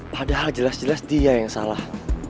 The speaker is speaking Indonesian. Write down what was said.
padahal jelas jelas dia yang salah